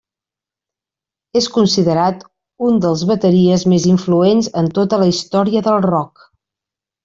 És considerat un dels bateries més influents en tota la història del rock.